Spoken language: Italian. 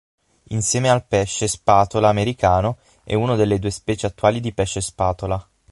Insieme al pesce spatola americano è una delle due specie attuali di pesce spatola.